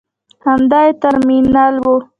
همدا یې ترمینل و.